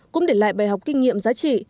cũng để lại bài học kinh nghiệm giá trị